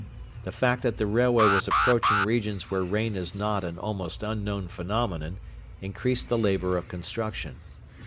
The fact that the railway was approaching regions where rain is not an almost unknown phenomenon increased the labour of construction.